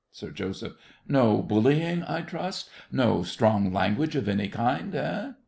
SIR JOSEPH. No bullying, I trust—no strong language of any kind, eh?